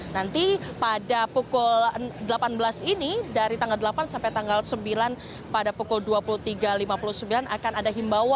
nanti pada pukul delapan belas ini dari tanggal delapan sampai tanggal sembilan pada pukul dua puluh tiga lima puluh sembilan akan ada himbauan